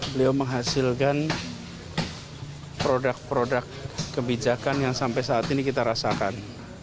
beliau menghasilkan produk produk kebijakan yang sampai saat ini kita rasakan